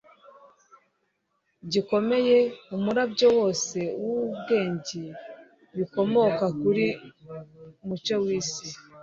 gikomeye, umurabyo wose w'ubwenge bikomoka kuri Mucyo w'isi.